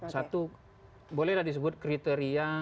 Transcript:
satu bolehlah disebut kriteria